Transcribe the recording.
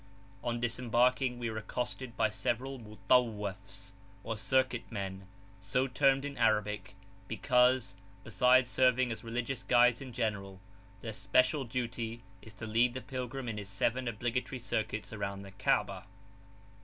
On disembarking we were accosted by several mut?awwafs, or circuit men, so termed in Arabic, because, besides serving as religious guides in general, their special duty is to lead the pilgrim in his seven obligatory circuits around the Kabah.